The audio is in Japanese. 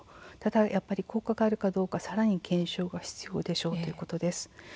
やはり効果があるかどうかさらに検証が必要でしょうということです。